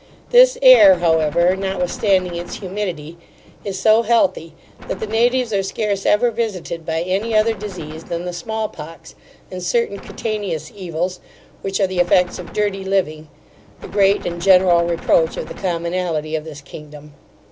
This air, however, notwithstanding its humidity, is so healthy, that the natives are scarce ever visited by any other disease than the smallpox, and certain cutaneous evils, which are the effects of dirty living, the great and general reproach of the commonalty of this kingdom.